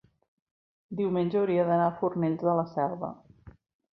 diumenge hauria d'anar a Fornells de la Selva.